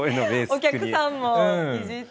お客さんもいじって。